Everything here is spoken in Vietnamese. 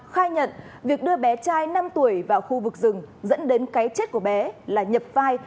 khai nhận việc đưa bé trai năm tuổi vào khu vực rừng dẫn đến cái chết của bé là nhập vai